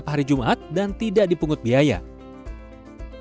prosedur mendapatkan lisensi menggunakan sim